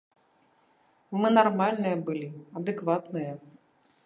Мы нармальныя былі, адэкватныя.